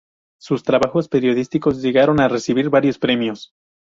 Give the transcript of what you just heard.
Sus trabajos periodísticos llegaron a recibir varios premios.